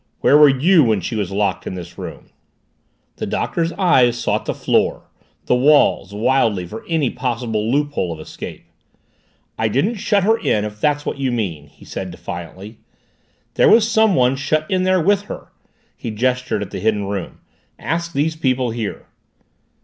"Where were you when she was locked in this room?" The Doctor's eyes sought the floor the walls wildly for any possible loophole of escape. "I didn't shut her in if that's what you mean!" he said defiantly. "There was someone shut in there with her!" He gestured at the Hidden Room. "Ask these people here."